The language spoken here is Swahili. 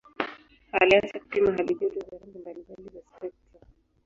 Alianza kupima halijoto za rangi mbalimbali za spektra.